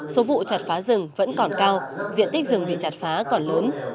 số vụ chặt phá rừng vẫn còn cao diện tích rừng bị chặt phá còn lớn